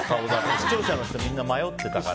視聴者の人はみんな迷ってたから。